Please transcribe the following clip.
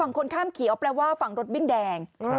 ฝั่งคนข้ามเขียวแปลว่าฝั่งรถวิ่งแดงครับ